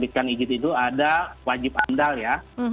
menerbitkan izin itu ada wajib andal ya